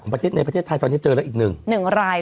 ประเทศในประเทศไทยตอนนี้เจอแล้วอีกหนึ่งราย